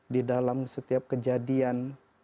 di dalam setiap kejadian